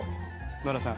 ノラさん。